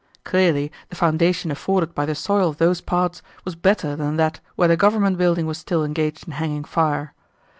Clearly the foundation afforded by the soil of those parts was better than that where the Government building was still engaged in hanging fire!